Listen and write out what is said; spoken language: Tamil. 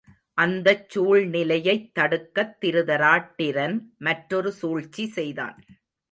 அந்தச் சூழ்நிலையைத் தடுக்கத் திருதராட்டிரன் மற்றொரு சூழ்ச்சி செய்தான்.